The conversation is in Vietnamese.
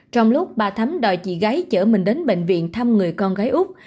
trong lúc bà thấm đòi chị gái chở mình đến bệnh viện thăm người con gái úc